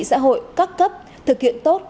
xã hội các cấp thực hiện tốt